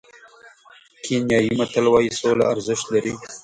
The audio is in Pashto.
کینیايي متل وایي سوله ارزښت لري.